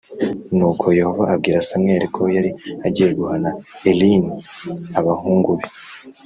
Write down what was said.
Nuko Yehova abwira Samweli ko yari agiye guhana Eli n abahungu be